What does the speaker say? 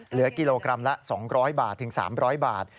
เหลือกิโลกรัมละ๒๐๐๓๐๐บาท